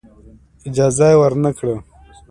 اجازه یې ورنه کړه.